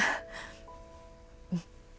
うん。